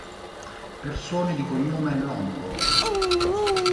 Persone di cognome Longo